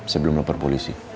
sebelum lapor polisi